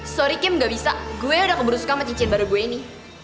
sorry kim gak bisa gue udah keburu suka cincin baru gue ini